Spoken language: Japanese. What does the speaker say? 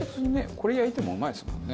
これ焼いてもうまいですもんね。